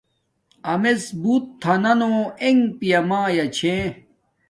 امڎ ہوت تھانݣ ایگ پیا مایا چھے